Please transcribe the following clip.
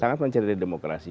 sangat mencederai demokrasi